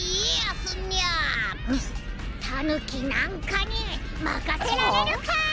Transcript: フッタヌキなんかにまかせられるか！